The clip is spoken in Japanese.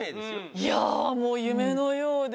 いやあもう夢のようです